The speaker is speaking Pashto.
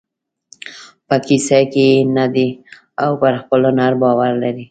په کیسه کې یې نه دی او پر خپل هنر باور لري.